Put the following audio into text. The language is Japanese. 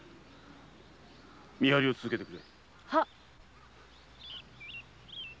見張りを続けてくれ。